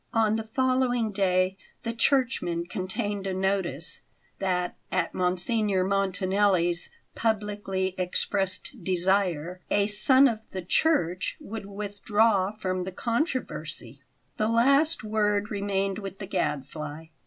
On the following day the Churchman contained a notice that, at Monsignor Montanelli's publicly expressed desire, "A Son of the Church" would withdraw from the controversy. The last word remained with the Gadfly.